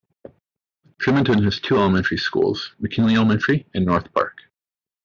Tremonton has two elementary schools, McKinley Elementary and North Park.